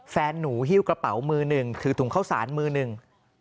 แฟนหนูหิ้วกระเป๋ามือหนึ่งถือถุงเข้าสารมือหนึ่ง